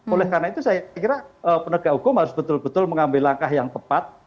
oleh karena itu saya kira penegak hukum harus betul betul mengambil langkah yang tepat